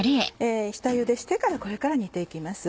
下ゆでしてからこれから煮て行きます。